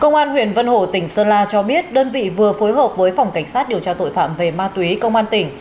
công an huyện vân hồ tỉnh sơn la cho biết đơn vị vừa phối hợp với phòng cảnh sát điều tra tội phạm về ma túy công an tỉnh